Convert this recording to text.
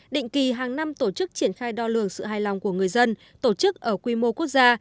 định kỳ hàng năm tổ chức triển khai đo lường sự hài lòng của người dân tổ chức ở quy mô quốc gia